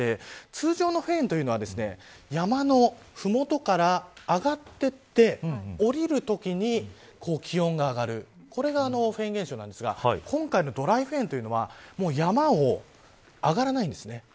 通常のフェーンというのは山の麓から上がっていって降りるときに気温が上がるこれがフェーン現象なんですが今回のドライフェーンというのは山を上がらないんです。